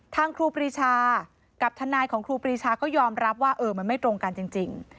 ครูปรีชากับทนายของครูปรีชาก็ยอมรับว่ามันไม่ตรงกันจริง